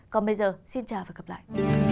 còn bây giờ xin chào và gặp lại